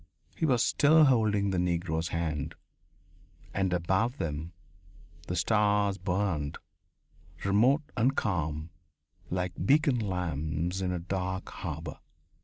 He was still holding the Negro's hand. And above them the stars burned, remote and calm, like beacon lamps in a dark harbour....